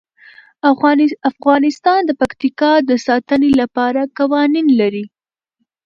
افغانستان د پکتیکا د ساتنې لپاره قوانین لري.